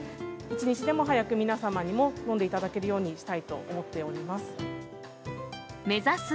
一日でも早く、皆様にも飲んでいただけるようにしたいと思っております。